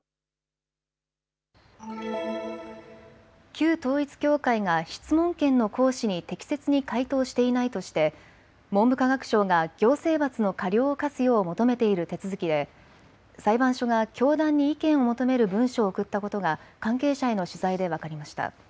旧統一教会が質問権の行使に適切に回答していないとして文部科学省が行政罰の過料を科すよう求めている手続きで裁判所が教団に意見を求める文書を送ったことが関係者への取材で分かりました。